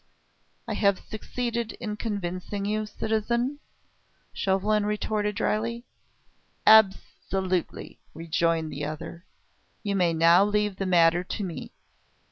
"I have succeeded in convincing you, citizen?" Chauvelin retorted dryly. "Absolutely!" rejoined the other. "You may now leave the matter to me.